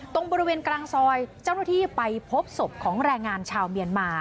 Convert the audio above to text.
ตรงบริเวณกลางซอยเจ้าหน้าที่ไปพบศพของแรงงานชาวเมียนมา